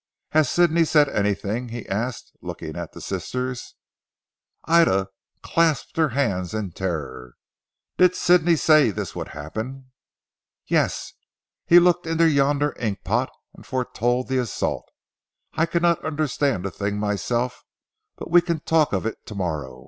Has Sidney said anything?" he asked looking at the sisters. Ida clasped her hands in terror. "Did Sidney say this would happen?" "Yes. He looked into yonder ink pot and foretold the assault. I cannot understand the thing myself, but we can talk of it to morrow.